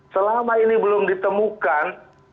selama ini belum ditemukan